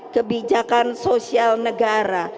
kebijakan sosial negara